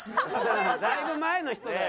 だいぶ前の人だよ。